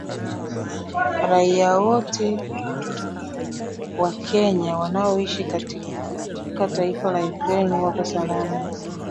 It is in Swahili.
Raia wote wa Kenya wanaoishi katika taifa la Ukraine wako salama